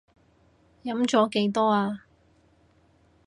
飲咗幾多呀？